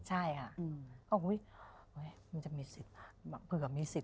ใช่ค่ะมันจะเกือบมี๑๐บาท